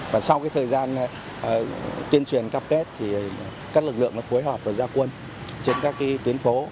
và sau thời gian tuyên truyền cam kết thì các lực lượng phối hợp và gia quân trên các tuyến phố